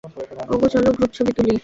ওগো, চলো গ্রুপ ছবি তুলি।